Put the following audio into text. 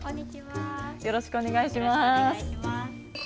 よろしくお願いします。